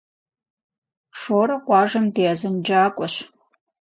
Шорэ къуажэм ди азэнджакӏуэщ.